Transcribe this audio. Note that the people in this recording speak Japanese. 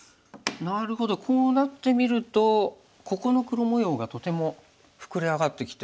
なるほどこうなってみるとここの黒模様がとても膨れ上がってきて。